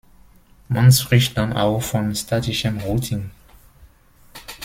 Man spricht dann auch von "statischem Routing".